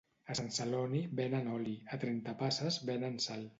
A Sant Celoni venen oli, a Trentapasses venen sal